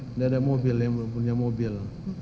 tidak ada mobil ya belum punya mobil